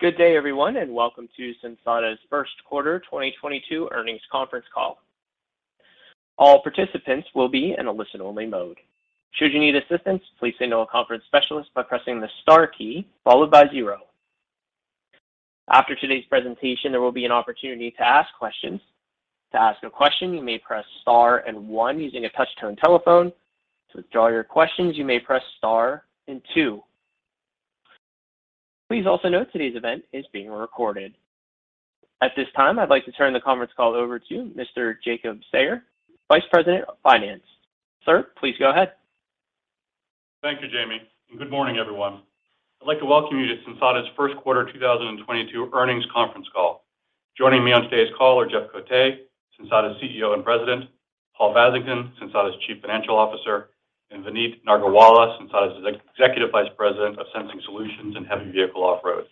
Good day, everyone, and welcome to Sensata's first quarter 2022 earnings conference call. All participants will be in a listen-only mode. Should you need assistance, please signal a conference specialist by pressing the star key followed by zero. After today's presentation, there will be an opportunity to ask questions. To ask a question, you may press star and one using a touch-tone telephone. To withdraw your questions, you may press star and two. Please also note today's event is being recorded. At this time, I'd like to turn the conference call over to Mr. Jacob Sayer, Vice President of Finance. Sir, please go ahead. Thank you, Jamie, and good morning, everyone. I'd like to welcome you to Sensata's Q1 2022 earnings conference call. Joining me on today's call are Jeff Coté, Sensata's CEO and President, Paul Vasington, Sensata's Chief Financial Officer, and Vineet Nargolwala, Sensata's Executive Vice President of Sensing Solutions and Heavy Vehicle Off-Road.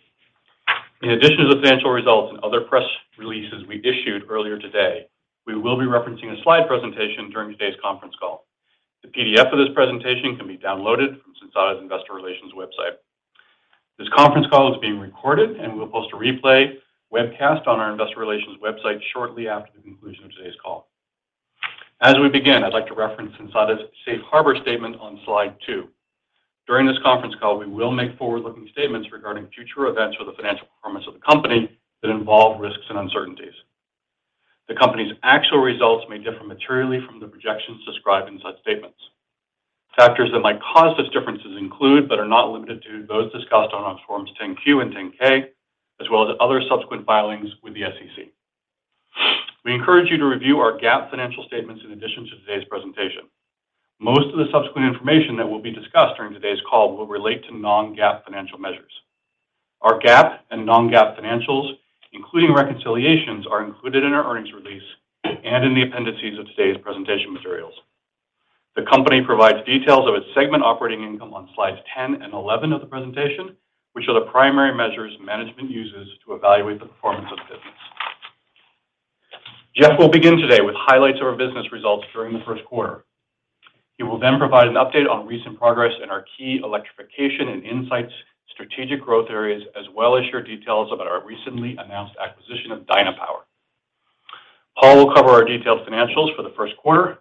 In addition to financial results and other press releases we issued earlier today, we will be referencing a slide presentation during today's conference call. The PDF of this presentation can be downloaded from Sensata's Investor Relations website. This conference call is being recorded, and we'll post a replay webcast on our Investor Relations website shortly after the conclusion of today's call. As we begin, I'd like to reference Sensata's Safe Harbor statement on Slide 2. During this conference call, we will make forward-looking statements regarding future events or the financial performance of the company that involve risks and uncertainties. The company's actual results may differ materially from the projections described in such statements. Factors that might cause these differences include, but are not limited to, those discussed on Forms 10-Q and 10-K, as well as other subsequent filings with the SEC. We encourage you to review our GAAP financial statements in addition to today's presentation. Most of the subsequent information that will be discussed during today's call will relate to non-GAAP financial measures. Our GAAP and non-GAAP financials, including reconciliations, are included in our earnings release and in the appendices of today's presentation materials. The company provides details of its segment operating income on Slides 10 and 11 of the presentation, which are the primary measures management uses to evaluate the performance of the business. Jeff will begin today with highlights of our business results during the first quarter. He will then provide an update on recent progress in our key electrification and insights, strategic growth areas, as well as share details about our recently announced acquisition of Dynapower. Paul will cover our detailed financials for the first quarter,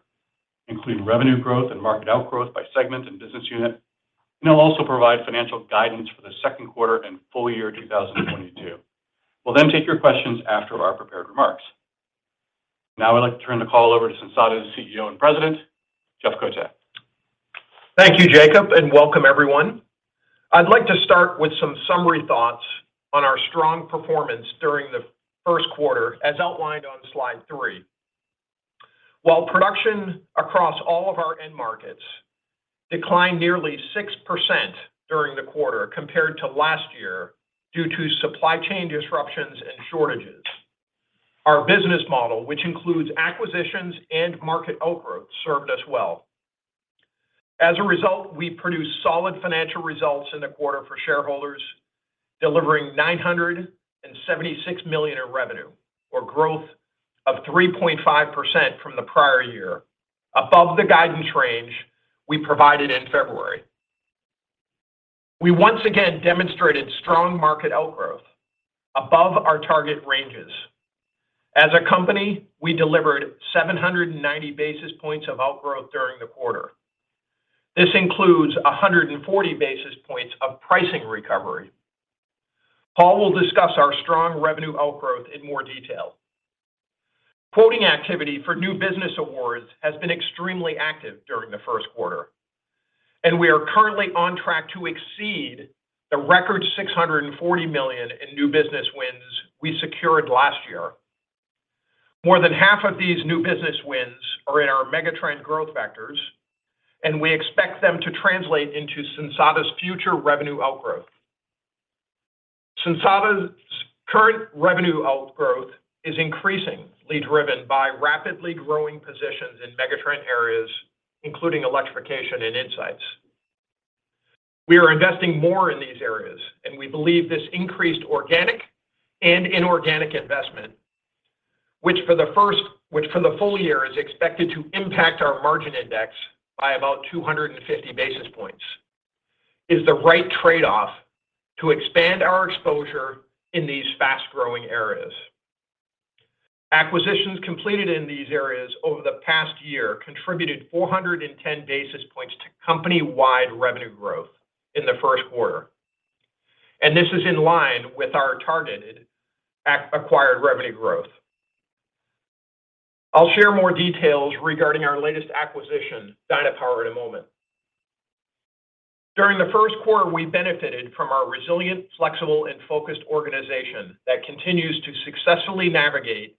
including revenue growth and market outgrowth by segment and business unit, and he'll also provide financial guidance for the second quarter and full year 2022. We'll then take your questions after our prepared remarks. Now I'd like to turn the call over to Sensata's CEO and President, Jeff Coté. Thank you, Jacob, and welcome everyone. I'd like to start with some summary thoughts on our strong performance during the first quarter, as outlined on Slide three. While production across all of our end markets declined nearly 6% during the quarter compared to last year due to supply chain disruptions and shortages, our business model, which includes acquisitions and market outgrowth, served us well. As a result, we produced solid financial results in the quarter for shareholders, delivering $976 million in revenue, or growth of 3.5% from the prior year, above the guidance range we provided in February. We once again demonstrated strong market outgrowth above our target ranges. As a company, we delivered 790 basis points of outgrowth during the quarter. This includes 140 basis points of pricing recovery. Paul will discuss our strong revenue outgrowth in more detail. Quoting activity for new business awards has been extremely active during the first quarter, and we are currently on track to exceed the record $640 million in new business wins we secured last year. More than half of these new business wins are in our megatrend growth vectors, and we expect them to translate into Sensata's future revenue outgrowth. Sensata's current revenue outgrowth is increasingly driven by rapidly growing positions in megatrend areas, including electrification and insights. We are investing more in these areas, and we believe this increased organic and inorganic investment, which for the full year is expected to impact our margin index by about 250 basis points, is the right trade-off to expand our exposure in these fast-growing areas. Acquisitions completed in these areas over the past year contributed 410 basis points to company-wide revenue growth in the first quarter. This is in line with our targeted acquired revenue growth. I'll share more details regarding our latest acquisition, Dynapower, in a moment. During the first quarter, we benefited from our resilient, flexible, and focused organization that continues to successfully navigate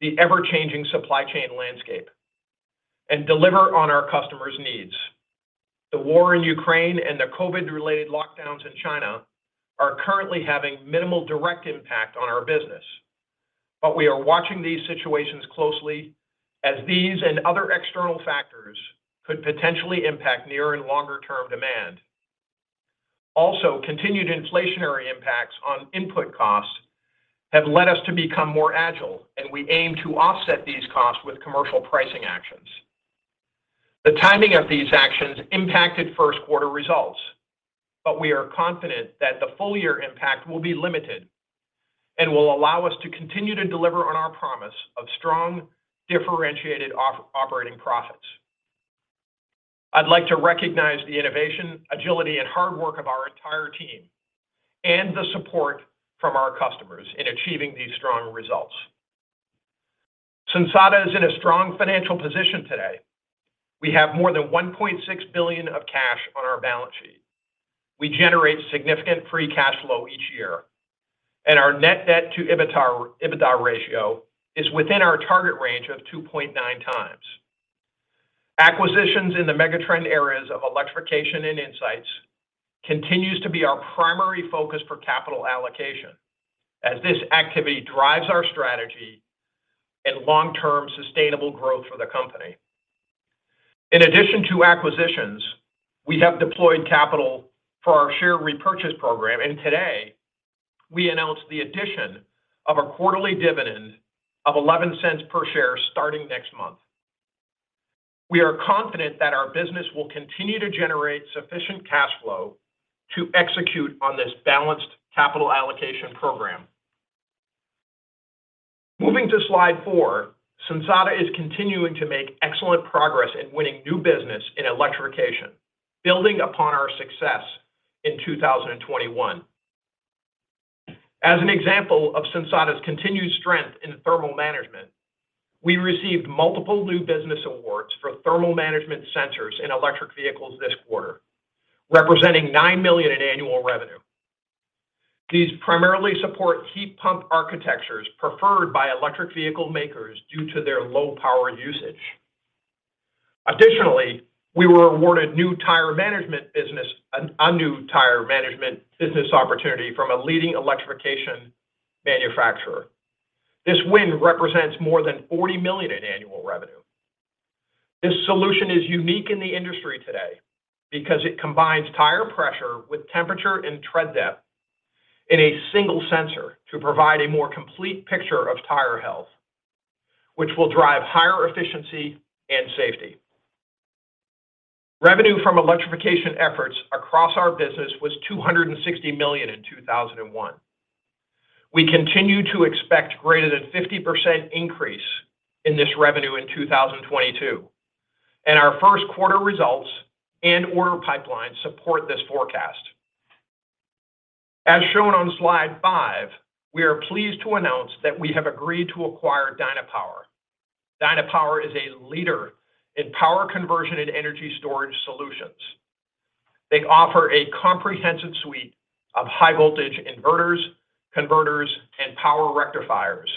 the ever-changing supply chain landscape and deliver on our customers' needs. The war in Ukraine and the COVID-related lockdowns in China are currently having minimal direct impact on our business. We are watching these situations closely as these and other external factors could potentially impact near and longer-term demand. Also, continued inflationary impacts on input costs have led us to become more agile, and we aim to offset these costs with commercial pricing actions. The timing of these actions impacted first quarter results, but we are confident that the full year impact will be limited and will allow us to continue to deliver on our promise of strong, differentiated operating profits. I'd like to recognize the innovation, agility, and hard work of our entire team and the support from our customers in achieving these strong results. Sensata is in a strong financial position today. We have more than $1.6 billion of cash on our balance sheet. We generate significant free cash flow each year, and our net debt to EBITDA ratio is within our target range of 2.9x. Acquisitions in the megatrend areas of electrification and insights continues to be our primary focus for capital allocation as this activity drives our strategy and long-term sustainable growth for the company. In addition to acquisitions, we have deployed capital for our share repurchase program, and today, we announced the addition of a quarterly dividend of $0.11 per share starting next month. We are confident that our business will continue to generate sufficient cash flow to execute on this balanced capital allocation program. Moving to slide four, Sensata is continuing to make excellent progress in winning new business in electrification, building upon our success in 2021. As an example of Sensata's continued strength in thermal management, we received multiple new business awards for thermal management centers in electric vehicles this quarter, representing $9 million in annual revenue. These primarily support heat pump architectures preferred by electric vehicle makers due to their low power usage. Additionally, we were awarded a new tire management business opportunity from a leading electrification manufacturer. This win represents more than $40 million in annual revenue. This solution is unique in the industry today because it combines tire pressure with temperature and tread depth in a single sensor to provide a more complete picture of tire health, which will drive higher efficiency and safety. Revenue from electrification efforts across our business was $260 million in 2021. We continue to expect greater than 50% increase in this revenue in 2022, and our first quarter results and order pipeline support this forecast. As shown on slide five, we are pleased to announce that we have agreed to acquire Dynapower. Dynapower is a leader in power conversion and energy storage solutions. They offer a comprehensive suite of high voltage inverters, converters, and power rectifiers,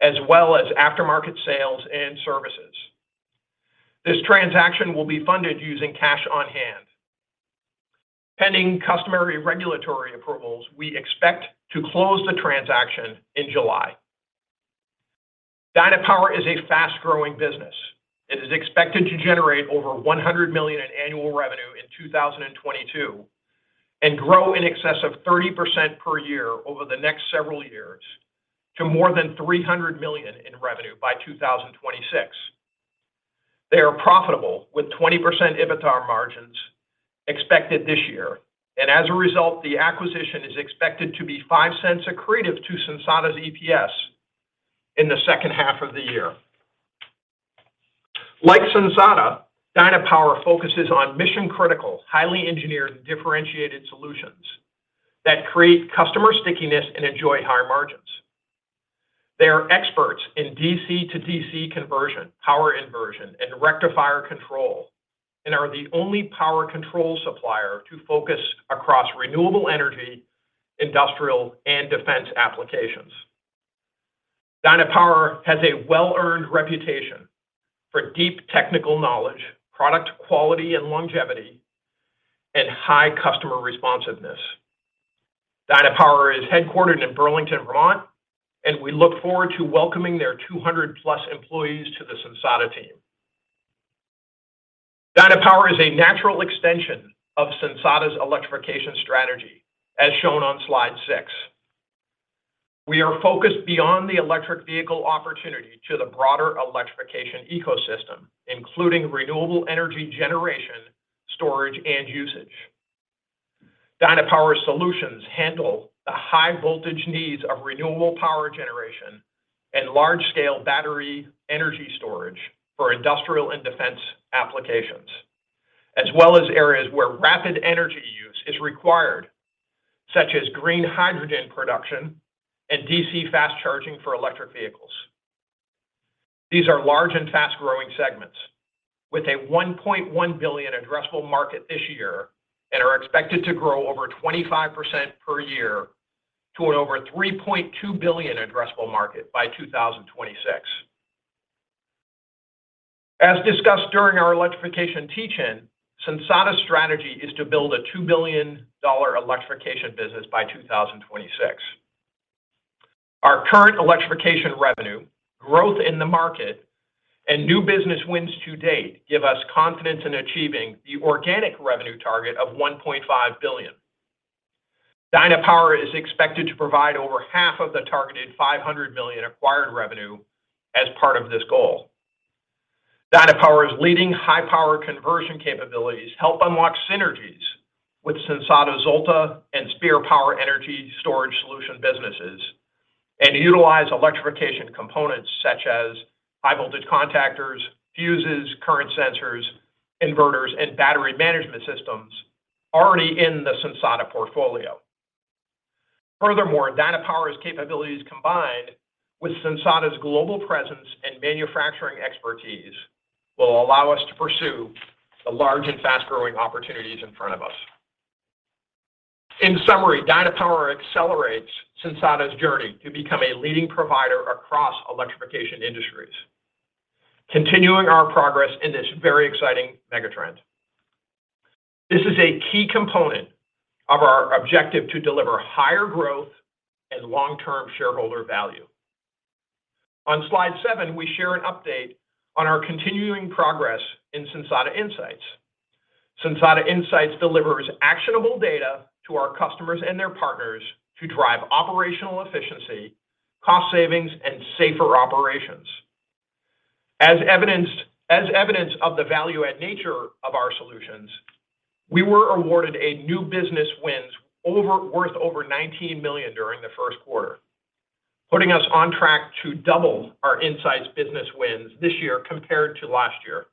as well as aftermarket sales and services. This transaction will be funded using cash on hand. Pending customary regulatory approvals, we expect to close the transaction in July. Dynapower is a fast-growing business. It is expected to generate over $100 million in annual revenue in 2022 and grow in excess of 30% per year over the next several years to more than $300 million in revenue by 2026. They are profitable with 20% EBITDA margins expected this year, and as a result, the acquisition is expected to be $0.05 accretive to Sensata's EPS in the second half of the year. Like Sensata, Dynapower focuses on mission-critical, highly engineered, differentiated solutions that create customer stickiness and enjoy higher margins. They are experts in DC to DC conversion, power inversion, and rectifier control, and are the only power control supplier to focus across renewable energy, industrial, and defense applications. Dynapower has a well-earned reputation for deep technical knowledge, product quality and longevity, and high customer responsiveness. Dynapower is headquartered in Burlington, Vermont, and we look forward to welcoming their 200-plus employees to the Sensata team. Dynapower is a natural extension of Sensata's electrification strategy, as shown on slide 6. We are focused beyond the electric vehicle opportunity to the broader electrification ecosystem, including renewable energy generation, storage, and usage. Dynapower solutions handle the high voltage needs of renewable power generation and large-scale battery energy storage for industrial and defense applications, as well as areas where rapid energy use is required, such as green hydrogen production and DC fast charging for electric vehicles. These are large and fast-growing segments with a $1.1 billion addressable market this year and are expected to grow over 25% per year to an over $3.2 billion addressable market by 2026. As discussed during our electrification teach-in, Sensata's strategy is to build a $2 billion electrification business by 2026. Our current electrification revenue, growth in the market, and new business wins to date give us confidence in achieving the organic revenue target of $1.5 billion. Dynapower is expected to provide over half of the targeted $500 million acquired revenue as part of this goal. Dynapower's leading high-power conversion capabilities help unlock synergies with Sensata XOLTA and Spear Power Systems energy storage solution businesses, and utilize electrification components such as high voltage contactors, fuses, current sensors, inverters, and battery management systems already in the Sensata portfolio. Furthermore, Dynapower's capabilities combined with Sensata's global presence and manufacturing expertise will allow us to pursue the large and fast-growing opportunities in front of us. In summary, Dynapower accelerates Sensata's journey to become a leading provider across electrification industries, continuing our progress in this very exciting megatrend. This is a key component of our objective to deliver higher growth and long-term shareholder value. On slide seven, we share an update on our continuing progress in Sensata INSIGHTS. Sensata INSIGHTS delivers actionable data to our customers and their partners to drive operational efficiency, cost savings, and safer operations. As evidence of the value-add nature of our solutions, we were awarded new business wins worth over $19 million during the first quarter, putting us on track to double our INSIGHTS business wins this year compared to last year.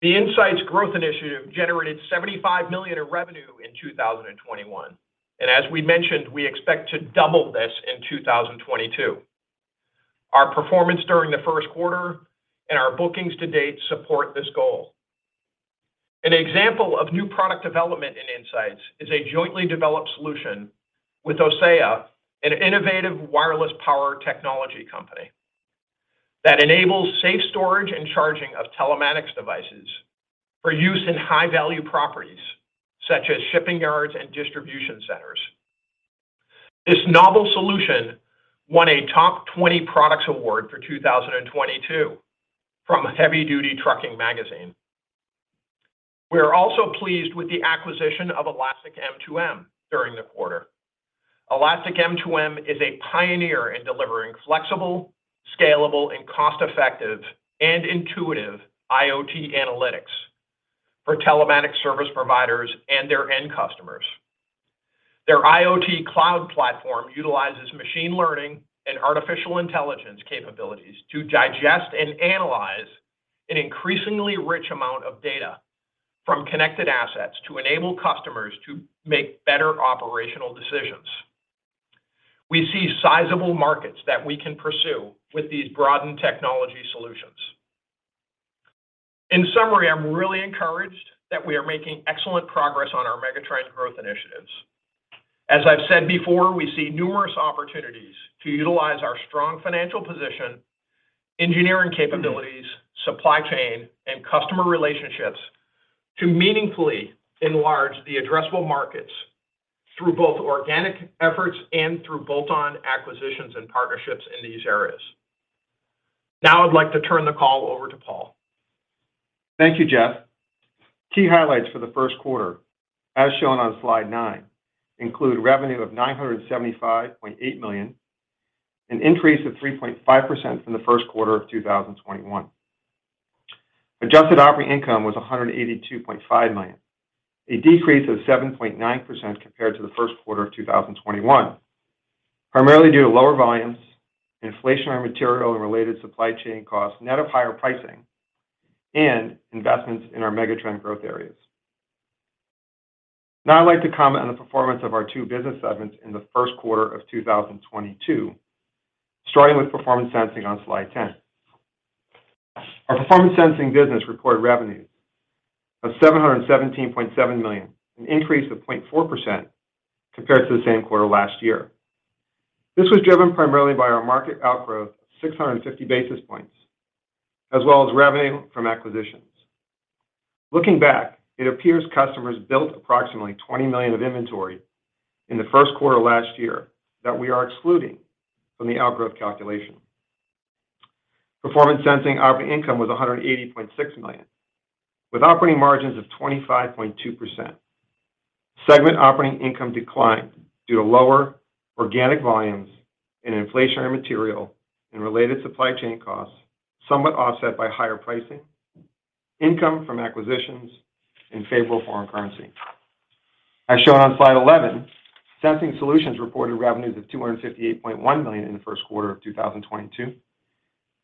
The INSIGHTS growth initiative generated $75 million of revenue in 2021, and as we mentioned, we expect to double this in 2022. Our performance during the first quarter and our bookings to date support this goal. An example of new product development in Insights is a jointly developed solution with Ossia, an innovative wireless power technology company, that enables safe storage and charging of telematics devices for use in high-value properties, such as shipping yards and distribution centers. This novel solution won a Top 20 Products Award for 2022 from Heavy Duty Trucking magazine. We are also pleased with the acquisition of Elastic M2M during the quarter. Elastic M2M is a pioneer in delivering flexible, scalable, and cost-effective, and intuitive IoT analytics for telematic service providers and their end customers. Their IoT cloud platform utilizes machine learning and artificial intelligence capabilities to digest and analyze an increasingly rich amount of data from connected assets to enable customers to make better operational decisions. We see sizable markets that we can pursue with these broadened technology solutions. In summary, I'm really encouraged that we are making excellent progress on our Megatrend growth initiatives. As I've said before, we see numerous opportunities to utilize our strong financial position, engineering capabilities, supply chain, and customer relationships to meaningfully enlarge the addressable markets through both organic efforts and through bolt-on acquisitions and partnerships in these areas. Now I'd like to turn the call over to Paul. Thank you, Jeff. Key highlights for the first quarter, as shown on slide nine, include revenue of $975.8 million, an increase of 3.5% from the first quarter of 2021. Adjusted operating income was $182.5 million, a decrease of 7.9% compared to the first quarter of 2021, primarily due to lower volumes, inflationary material and related supply chain costs, net of higher pricing and investments in our Megatrend growth areas. Now I'd like to comment on the performance of our two business segments in the first quarter of 2022, starting with Performance Sensing on slide 10. Our Performance Sensing business reported revenues of $717.7 million, an increase of 0.4% compared to the same quarter last year. This was driven primarily by our market outgrowth, 650 basis points, as well as revenue from acquisitions. Looking back, it appears customers built approximately $20 million of inventory in the first quarter of last year that we are excluding from the outgrowth calculation. Performance Sensing operating income was $180.6 million, with operating margins of 25.2%. Segment operating income declined due to lower organic volumes and inflationary material and related supply chain costs, somewhat offset by higher pricing, income from acquisitions, and favorable foreign currency. As shown on slide 11, Sensing Solutions reported revenues of $258.1 million in the first quarter of 2022,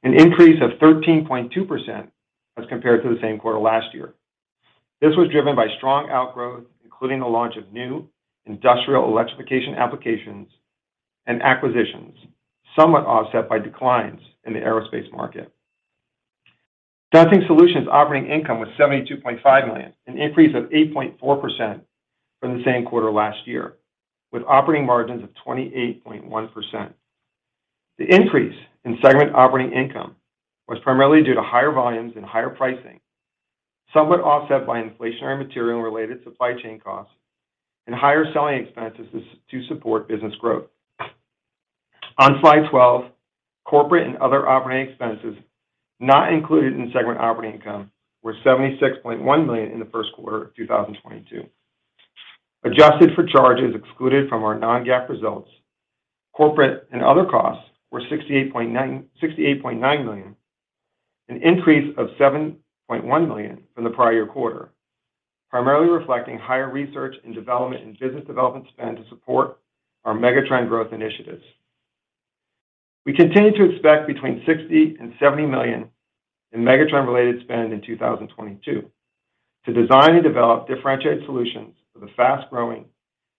an increase of 13.2% as compared to the same quarter last year. This was driven by strong outgrowth, including the launch of new industrial electrification applications and acquisitions, somewhat offset by declines in the aerospace market. Sensing Solutions operating income was $72.5 million, an increase of 8.4% from the same quarter last year, with operating margins of 28.1%. The increase in segment operating income was primarily due to higher volumes and higher pricing, somewhat offset by inflationary material and related supply chain costs and higher selling expenses to support business growth. On slide 12, corporate and other operating expenses not included in segment operating income were $76.1 million in the first quarter of 2022. Adjusted for charges excluded from our non-GAAP results, corporate and other costs were $68.9 million, an increase of $7.1 million from the prior quarter, primarily reflecting higher research and development and business development spend to support our megatrend growth initiatives. We continue to expect between $60 million and $70 million in megatrend-related spend in 2022 to design and develop differentiated solutions for the fast-growing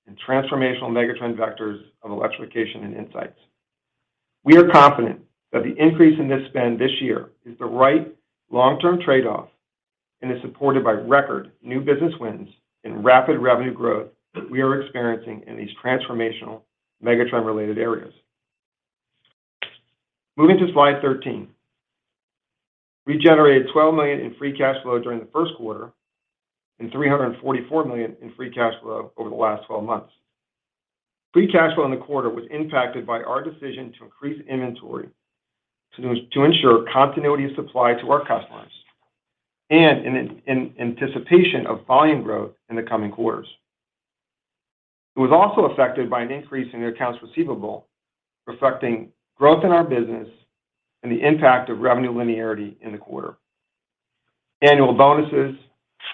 and transformational megatrend vectors of electrification and insights. We are confident that the increase in this spend this year is the right long-term trade-off and is supported by record new business wins and rapid revenue growth that we are experiencing in these transformational megatrend-related areas. Moving to slide 13. We generated $12 million in free cash flow during the first quarter and $344 million in free cash flow over the last 12 months. Free cash flow in the quarter was impacted by our decision to increase inventory to ensure continuity of supply to our customers and in anticipation of volume growth in the coming quarters. It was also affected by an increase in the accounts receivable, reflecting growth in our business and the impact of revenue linearity in the quarter. Annual bonuses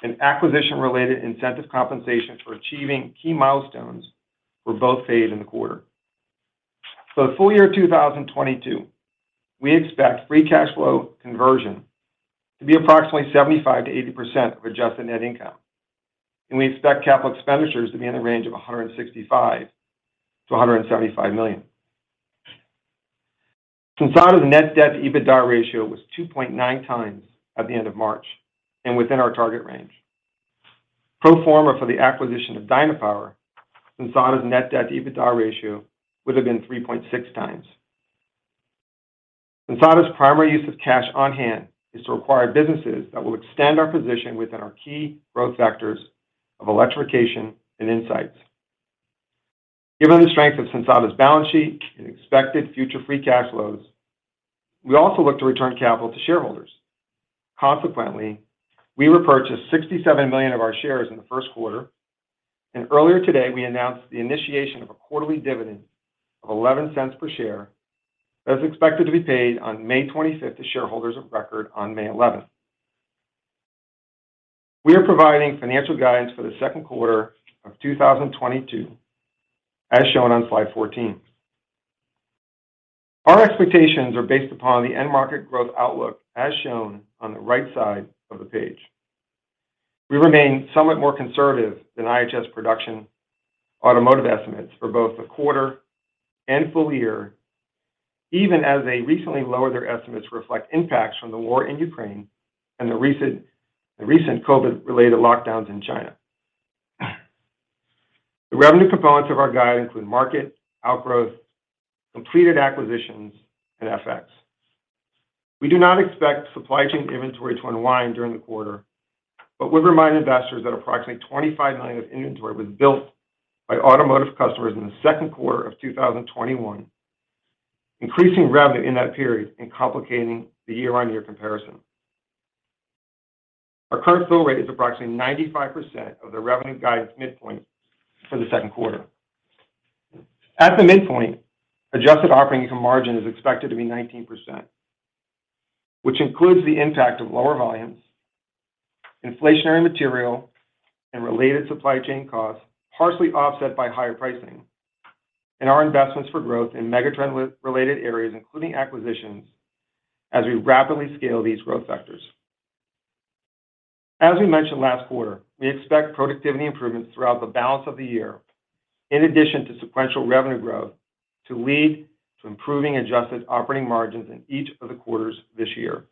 and acquisition-related incentive compensation for achieving key milestones were both paid in the quarter. For the full year 2022, we expect free cash flow conversion to be approximately 75%-80% of adjusted net income. We expect capital expenditures to be in the range of $165 million-$175 million. Sensata's net debt EBITDA ratio was 2.9x at the end of March and within our target range. Pro forma for the acquisition of Dynapower, Sensata's net debt EBITDA ratio would have been 3.6x. Sensata's primary use of cash on hand is to acquire businesses that will extend our position within our key growth vectors of electrification and insights. Given the strength of Sensata's balance sheet and expected future free cash flows, we also look to return capital to shareholders. Consequently, we repurchased 67 million of our shares in the first quarter, and earlier today we announced the initiation of a quarterly dividend of $0.11 per share that is expected to be paid on May 25 to shareholders of record on May 11. We are providing financial guidance for the second quarter of 2022 as shown on slide 14. Our expectations are based upon the end market growth outlook as shown on the right side of the page. We remain somewhat more conservative than IHS production automotive estimates for both the quarter and full year, even as they recently lowered their estimates to reflect impacts from the war in Ukraine and the recent COVID-related lockdowns in China. The revenue components of our guide include market, outgrowth, completed acquisitions, and FX. We do not expect supply chain inventory to unwind during the quarter, but we remind investors that approximately $25 million of inventory was built by automotive customers in the second quarter of 2021, increasing revenue in that period and complicating the year-on-year comparison. Our current fill rate is approximately 95% of the revenue guidance midpoint for the second quarter. At the midpoint, adjusted operating income margin is expected to be 19%, which includes the impact of lower volumes, inflationary material, and related supply chain costs, partially offset by higher pricing and our investments for growth in megatrend-related areas, including acquisitions as we rapidly scale these growth sectors. As we mentioned last quarter, we expect productivity improvements throughout the balance of the year in addition to sequential revenue growth to lead to improving adjusted operating margins in each of the quarters this year.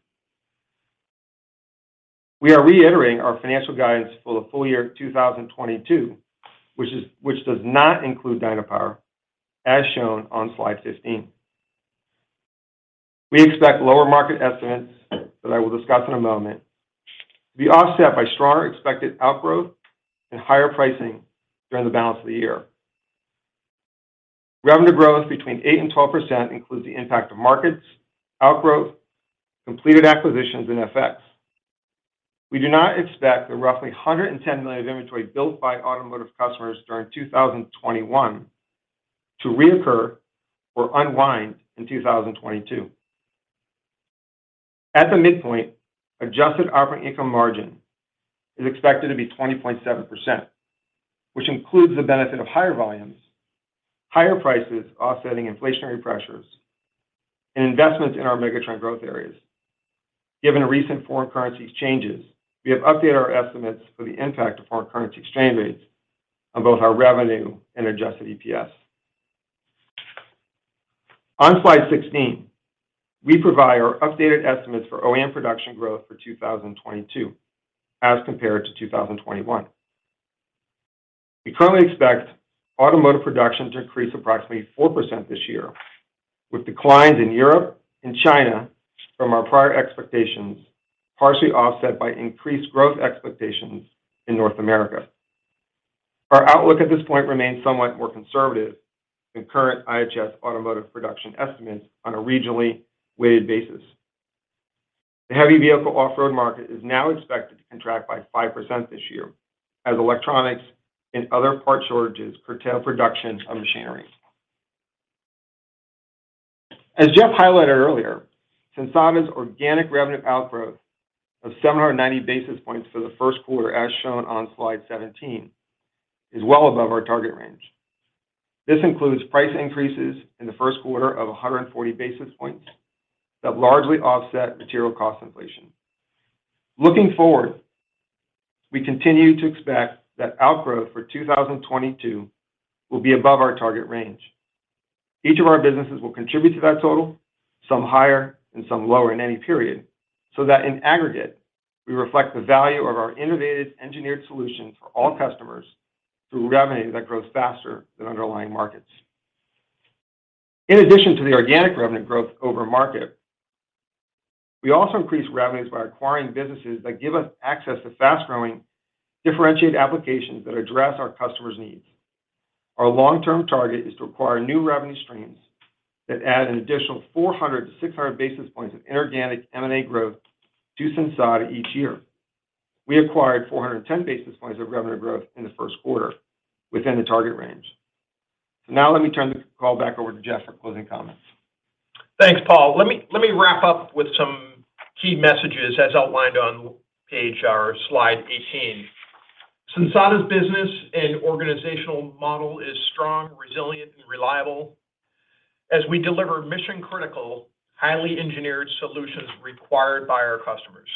We are reiterating our financial guidance for the full year 2022, which does not include Dynapower, as shown on slide 15. We expect lower market estimates that I will discuss in a moment to be offset by stronger expected outgrowth and higher pricing during the balance of the year. Revenue growth between 8% and 12% includes the impact of markets, outgrowth, completed acquisitions, and FX. We do not expect the roughly $110 million of inventory built by automotive customers during 2021 to reoccur or unwind in 2022. At the midpoint, adjusted operating income margin is expected to be 20.7%, which includes the benefit of higher volumes, higher prices offsetting inflationary pressures, and investments in our megatrend growth areas. Given the recent foreign currencies changes, we have updated our estimates for the impact of foreign currency exchange rates on both our revenue and adjusted EPS. On slide 16, we provide our updated estimates for OEM production growth for 2022 as compared to 2021. We currently expect automotive production to increase approximately 4% this year, with declines in Europe and China from our prior expectations, partially offset by increased growth expectations in North America. Our outlook at this point remains somewhat more conservative than current IHS Automotive production estimates on a regionally weighted basis. The heavy vehicle off-road market is now expected to contract by 5% this year as electronics and other part shortages curtail production of machinery. As Jeff highlighted earlier, Sensata's organic revenue outgrowth of 790 basis points for the first quarter as shown on slide 17 is well above our target range. This includes price increases in the first quarter of 140 basis points that largely offset material cost inflation. Looking forward, we continue to expect that outgrowth for 2022 will be above our target range. Each of our businesses will contribute to that total, some higher and some lower in any period, so that in aggregate, we reflect the value of our innovative engineered solutions for all customers through revenue that grows faster than underlying markets. In addition to the organic revenue growth over market, we also increase revenues by acquiring businesses that give us access to fast-growing, differentiated applications that address our customers' needs. Our long-term target is to acquire new revenue streams that add an additional 400-600 basis points of inorganic M&A growth to Sensata each year. We acquired 410 basis points of revenue growth in the first quarter within the target range. Now let me turn the call back over to Jeff for closing comments. Thanks, Paul. Let me wrap up with some key messages as outlined on page or slide 18. Sensata's business and organizational model is strong, resilient, and reliable as we deliver mission-critical, highly engineered solutions required by our customers.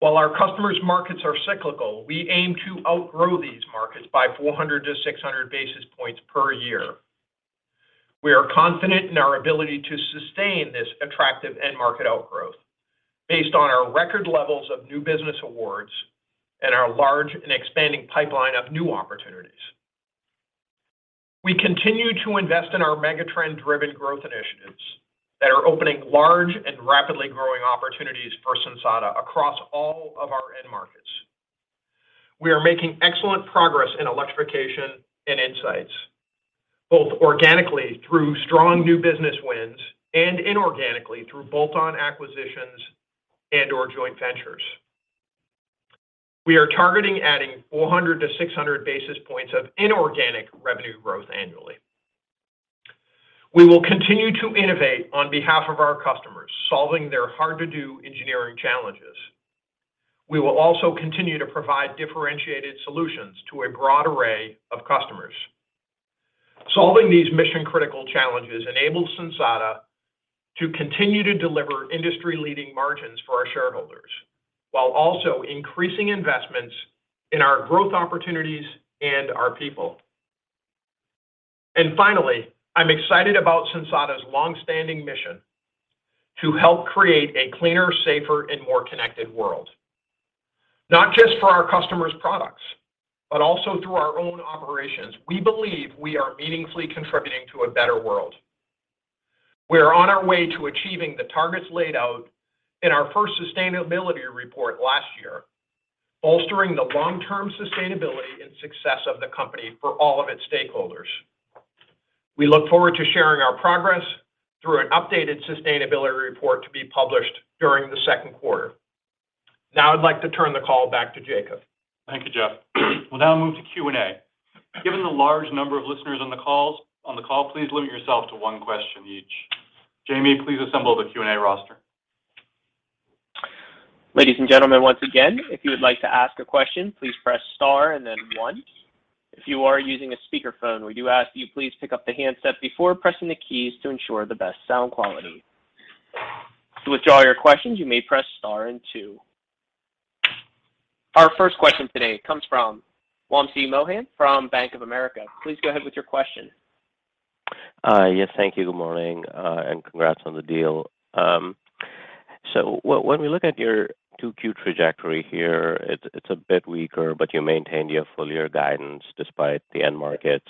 While our customers' markets are cyclical, we aim to outgrow these markets by 400-600 basis points per year. We are confident in our ability to sustain this attractive end market outgrowth based on our record levels of new business awards and our large and expanding pipeline of new opportunities. We continue to invest in our megatrend-driven growth initiatives that are opening large and rapidly growing opportunities for Sensata across all of our end markets. We are making excellent progress in electrification and insights, both organically through strong new business wins and inorganically through bolt-on acquisitions and/or joint ventures. We are targeting adding 400-600 basis points of inorganic revenue growth annually. We will continue to innovate on behalf of our customers, solving their hard-to-do engineering challenges. We will also continue to provide differentiated solutions to a broad array of customers. Solving these mission-critical challenges enables Sensata to continue to deliver industry-leading margins for our shareholders while also increasing investments in our growth opportunities and our people. Finally, I'm excited about Sensata's long-standing mission to help create a cleaner, safer, and more connected world. Not just for our customers' products, but also through our own operations. We believe we are meaningfully contributing to a better world. We are on our way to achieving the targets laid out in our first sustainability report last year, bolstering the long-term sustainability and success of the company for all of its stakeholders. We look forward to sharing our progress through an updated sustainability report to be published during the second quarter. Now I'd like to turn the call back to Jacob. Thank you, Jeff. We'll now move to Q&A. Given the large number of listeners on the call, please limit yourself to one question each. Jamie, please assemble the Q&A roster. Ladies and gentlemen, once again, if you would like to ask a question, please press star and then one. If you are using a speaker phone, we do ask you please pick up the handset before pressing the keys to ensure the best sound quality. To withdraw your questions, you may press star and two. Our first question today comes from Wamsi Mohan from Bank of America. Please go ahead with your question. Yes, thank you. Good morning, and congrats on the deal. When we look at your 2Q trajectory here, it's a bit weaker, but you maintained your full year guidance despite the end markets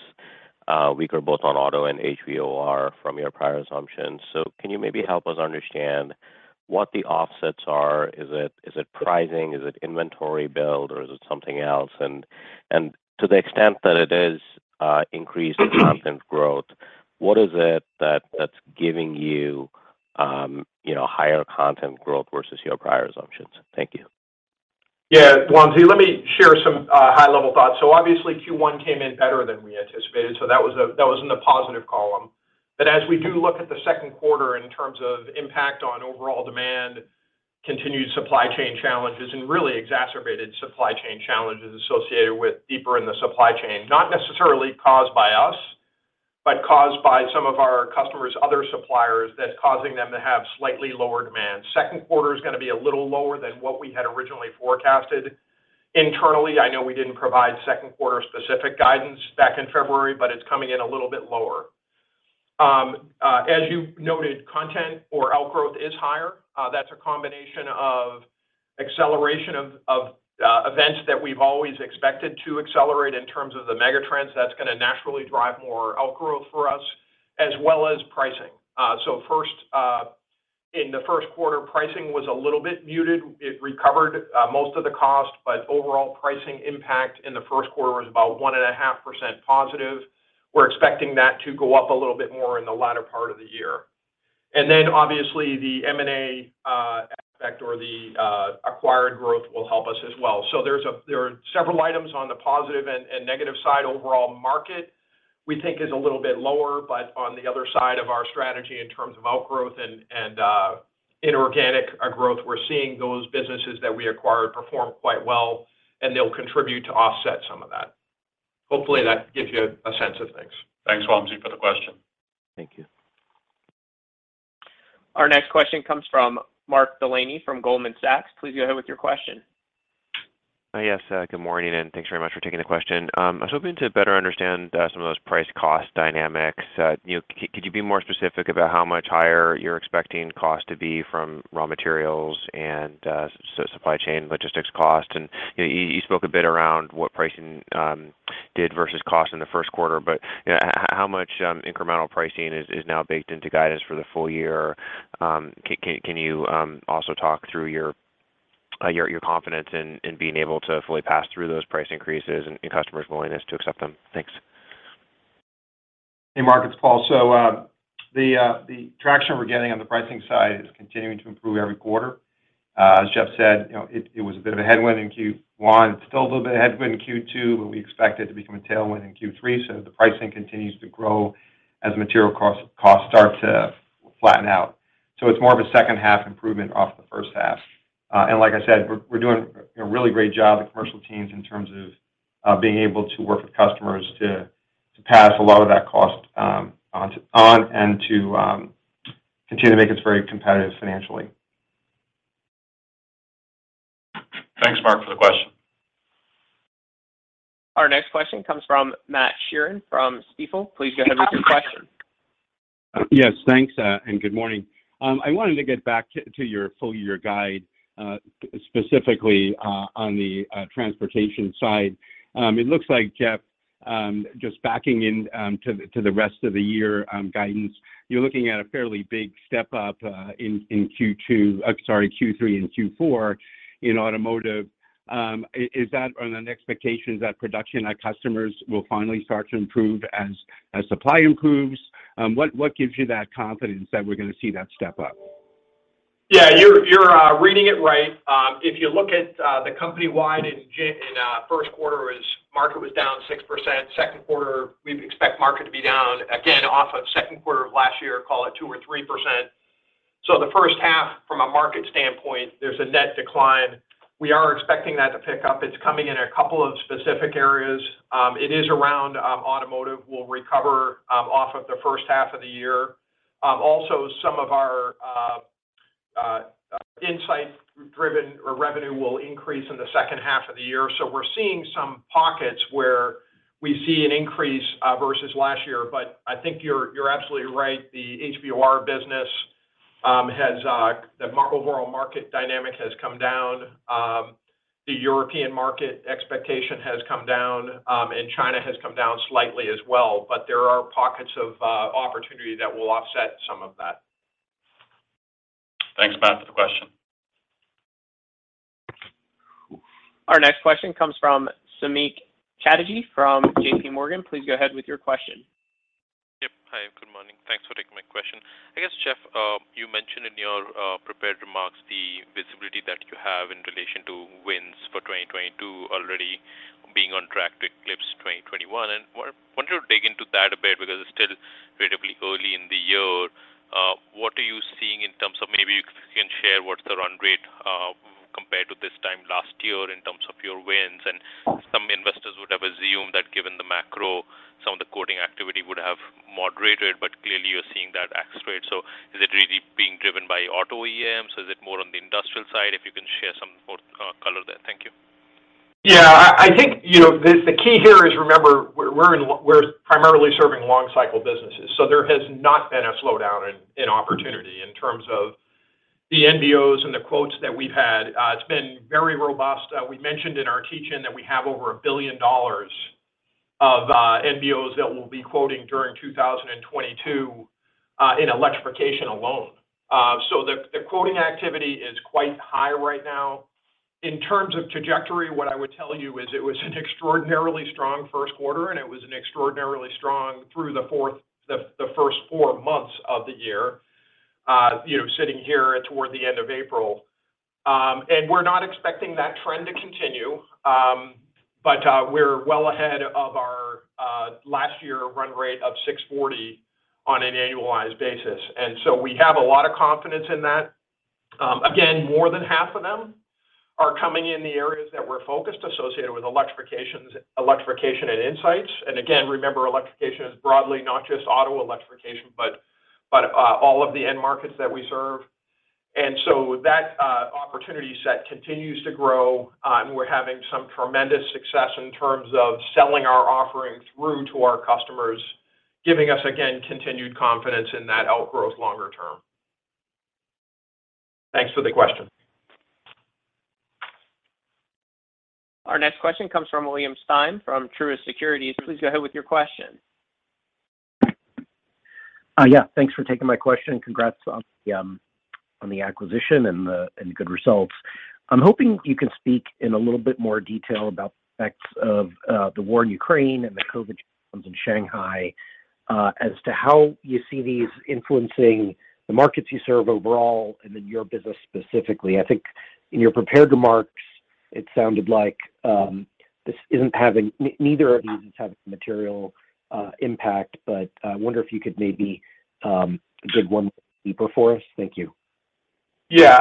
weaker both on auto and HVOR from your prior assumptions. Can you maybe help us understand what the offsets are? Is it pricing? Is it inventory build, or is it something else? To the extent that it is increased content growth, what is it that's giving you know, higher content growth versus your prior assumptions? Thank you. Yeah, Wamsi, let me share some high-level thoughts. Obviously, Q1 came in better than we anticipated, so that was in the positive column. As we do look at the second quarter in terms of impact on overall demand, continued supply chain challenges, and really exacerbated supply chain challenges associated with deeper in the supply chain, not necessarily caused by us, but caused by some of our customers' other suppliers that's causing them to have slightly lower demand. Second quarter is gonna be a little lower than what we had originally forecasted internally. I know we didn't provide second quarter specific guidance back in February, but it's coming in a little bit lower. As you noted, content or outgrowth is higher. That's a combination of acceleration of events that we've always expected to accelerate in terms of the megatrends. That's gonna naturally drive more outgrowth for us, as well as pricing. In the first quarter, pricing was a little bit muted. It recovered most of the cost, but overall pricing impact in the first quarter was about 1.5% positive. We're expecting that to go up a little bit more in the latter part of the year. Obviously, the M&A aspect or the acquired growth will help us as well. There are several items on the positive and negative side. Overall market, we think is a little bit lower, but on the other side of our strategy in terms of outgrowth and inorganic growth, we're seeing those businesses that we acquired perform quite well, and they'll contribute to offset some of that. Hopefully, that gives you a sense of things. Thanks, Wamsi, for the question. Thank you. Our next question comes from Mark Delaney from Goldman Sachs. Please go ahead with your question. Yes, good morning, and thanks very much for taking the question. I was hoping to better understand some of those price cost dynamics. You know, could you be more specific about how much higher you're expecting cost to be from raw materials and supply chain logistics costs? You know, you spoke a bit around what pricing did versus cost in the first quarter, but you know, how much incremental pricing is now baked into guidance for the full year? Can you also talk through your confidence in being able to fully pass through those price increases and customers' willingness to accept them? Thanks. Hey, Mark. It's Paul. The traction we're getting on the pricing side is continuing to improve every quarter. As Jeff said, you know, it was a bit of a headwind in Q1. It's still a little bit of headwind in Q2, but we expect it to become a tailwind in Q3. The pricing continues to grow as material costs start to flatten out. It's more of a second half improvement off the first half. Like I said, we're doing a really great job, the commercial teams, in terms of being able to work with customers to pass a lot of that cost on and to continue to make us very competitive financially. Thanks, Mark, for the question. Our next question comes from Matt Sheerin from Stifel. Please go ahead with your question. Yes. Thanks, and good morning. I wanted to get back to your full year guide, specifically, on the transportation side. It looks like, Jeff, just backing in to the rest of the year guidance, you're looking at a fairly big step up in Q3 and Q4 in automotive. Is that on an expectation that production at customers will finally start to improve as supply improves? What gives you that confidence that we're gonna see that step up? Yeah, you're reading it right. If you look at the company-wide, in first quarter, the market was down 6%. Second quarter, we expect the market to be down again off of second quarter of last year, call it 2%-3%. The first half from a market standpoint, there's a net decline. We are expecting that to pick up. It's coming in a couple of specific areas. It is around automotive. We'll recover off of the first half of the year. Also some of our insight-driven revenue will increase in the second half of the year. We're seeing some pockets where we see an increase versus last year. I think you're absolutely right. The HVOR business, the overall market dynamic has come down. The European market expectation has come down, and China has come down slightly as well. There are pockets of opportunity that will offset some of that. Thanks, Matt, for the question. Our next question comes from Samik Chatterjee from JPMorgan. Please go ahead with your question. Hi, and good morning. Thanks for taking my question. I guess, Jeff, you mentioned in your prepared remarks the visibility that you have in relation to wins for 2022 already being on track to eclipse 2021. I want to dig into that a bit because it's still relatively early in the year. What are you seeing in terms of maybe you can share what's the run rate compared to this time last year in terms of your wins? Some investors would have assumed that given the macro, some of the quoting activity would have moderated, but clearly you're seeing that accelerate. Is it really being driven by auto OEMs? Is it more on the industrial side? If you can share some more color there. Thank you. Yeah. I think, you know, the key here is remember we're primarily serving long cycle businesses. There has not been a slowdown in opportunity in terms of the NBOs and the quotes that we've had. It's been very robust. We mentioned in our teach-in that we have over $1 billion of NBOs that we'll be quoting during 2022, in electrification alone. So the quoting activity is quite high right now. In terms of trajectory, what I would tell you is it was an extraordinarily strong first quarter, and it was an extraordinarily strong through the first four months of the year, sitting here toward the end of April. We're not expecting that trend to continue, but we're well ahead of our last year run rate of 640 on an annualized basis. We have a lot of confidence in that. Again, more than half of them are coming in the areas that we're focused on associated with electrification and insights. Again, remember, electrification is broadly not just auto electrification, but all of the end markets that we serve. That opportunity set continues to grow, and we're having some tremendous success in terms of selling our offering through to our customers, giving us, again, continued confidence in that outgrowth longer term. Thanks for the question. Our next question comes from William Stein from Truist Securities. Please go ahead with your question. Yeah, thanks for taking my question. Congrats on the acquisition and the good results. I'm hoping you can speak in a little bit more detail about the effects of the war in Ukraine and the COVID shutdowns in Shanghai, as to how you see these influencing the markets you serve overall and then your business specifically. I think in your prepared remarks, it sounded like neither of these is having a material impact. I wonder if you could maybe dig one level deeper for us. Thank you. Yeah.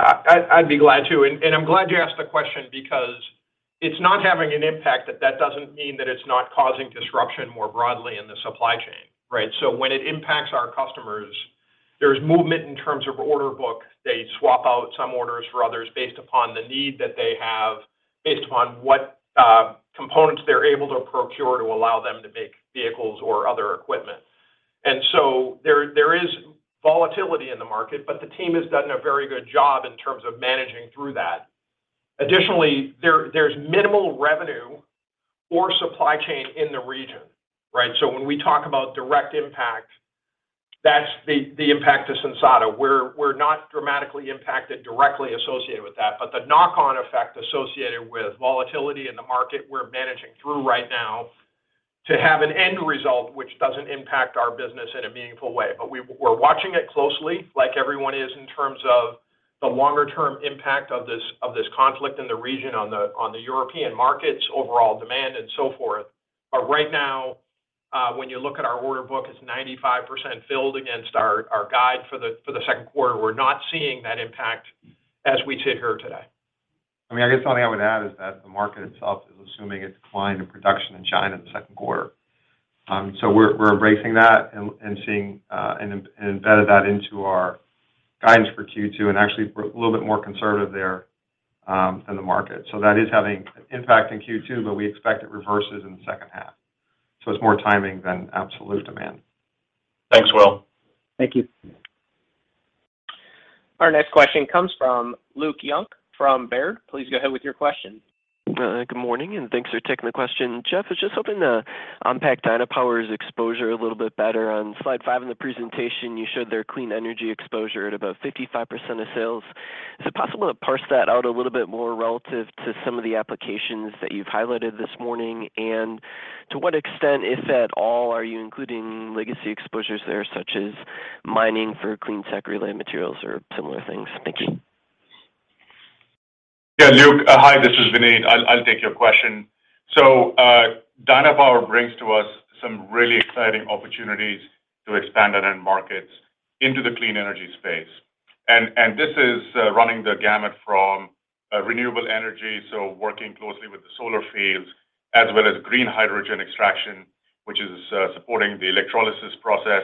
I'd be glad to. I'm glad you asked the question because it's not having an impact, but that doesn't mean that it's not causing disruption more broadly in the supply chain, right? When it impacts our customers, there's movement in terms of order book. They swap out some orders for others based upon the need that they have, based upon what components they're able to procure to allow them to make vehicles or other equipment. There is volatility in the market, but the team has done a very good job in terms of managing through that. Additionally, there's minimal revenue or supply chain in the region, right? When we talk about direct impact, that's the impact to Sensata. We're not dramatically impacted directly associated with that, but the knock-on effect associated with volatility in the market, we're managing through right now to have an end result which doesn't impact our business in a meaningful way. We're watching it closely like everyone is in terms of the longer term impact of this conflict in the region on the European markets, overall demand and so forth. Right now, when you look at our order book, it's 95% filled against our guide for the second quarter. We're not seeing that impact as we sit here today. I mean, I guess something I would add is that the market itself is assuming a decline in production in China in the second quarter. We're embracing that and seeing and embedding that into our guidance for Q2. Actually we're a little bit more conservative there than the market. That is having an impact in Q2, but we expect it reverses in the second half. It's more timing than absolute demand. Thanks, Will. Thank you. Our next question comes from Luke Junk from Baird. Please go ahead with your question. Good morning, and thanks for taking the question. Jeff, I was just hoping to unpack Dynapower's exposure a little bit better. On slide five in the presentation, you showed their clean energy exposure at about 55% of sales. Is it possible to parse that out a little bit more relative to some of the applications that you've highlighted this morning? To what extent, if at all, are you including legacy exposures there, such as mining for clean tech-related materials or similar things? Thank you. Yeah, Luke. Hi, this is Vineet. I'll take your question. Dynapower brings to us some really exciting opportunities to expand it in markets into the clean energy space. This is running the gamut from renewable energy, so working closely with the solar fields, as well as green hydrogen extraction, which is supporting the electrolysis process,